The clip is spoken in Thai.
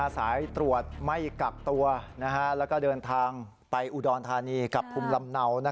สายตรวจไม่กักตัวแล้วก็เดินทางไปอุดรธานีกับภูมิลำเนา